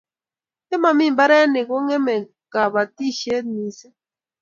ye mami mbarenik kongeme kabatishit mising